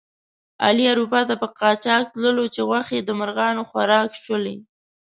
علي اروپا ته په قاچاق تللو چې غوښې د مرغانو خوراک شولې.